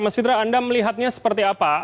mas fitra anda melihatnya seperti apa